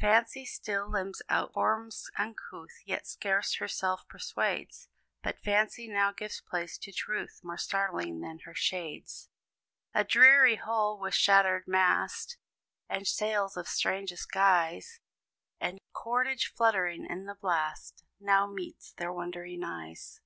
Fancy still limns out forms uncouth, Yet scarce herself persuades; But fancy now gives place to truth More startling than her shades. A dreary hull, with shattered mast, And sails of strangest guise, And cordage fluttering in the blast, Now meets their wondering eyes.